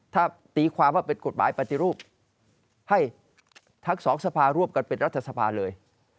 ถ้าตีความว่าเป็นกฎหมายปฏิรูปให้ทั้งสองสภาร่วมกันเป็นรัฐสภาเลย